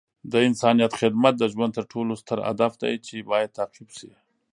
د انسانیت خدمت د ژوند تر ټولو ستر هدف دی چې باید تعقیب شي.